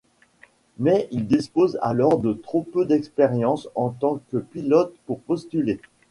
Mais il dispose alors de trop peu d'expérience en tant que pilote pour postuler.